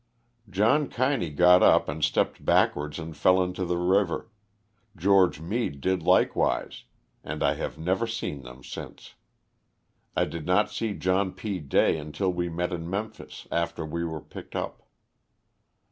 John Kiney got up and stepped backwards and fell into the river, Geo. Meade did like wise, and I have never seen them since. I did not see John P. Day until we met in Memphis, after we were picked up.